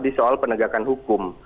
di soal penegakan hukum